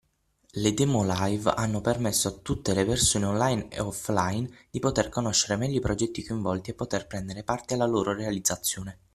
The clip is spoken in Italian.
Le demo live hanno permesso a tutte le persone Online e Offline di poter conoscere meglio i progetti coinvolti e poter prendere parte alla loro realizzazione.